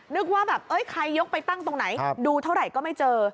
นึกว่าแบบใครยกไปตั้งตรงไหนดูเท่าไหร่ก็ไม่เจอ